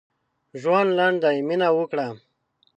ژوند لنډ دی؛ مينه وکړه.